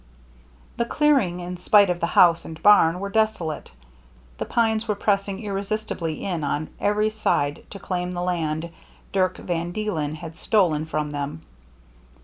The clearing, in spite of the house and barn, was desolate; the pines were pressing irre sistibly in on every side to claim the land Dirck van Deelen had stolen from them.